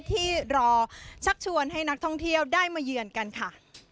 ที่รอชักชวนให้นักท่องเที่ยวได้มาเยือนกันค่ะ